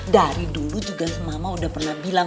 dari dulu juga mama udah pernah bilang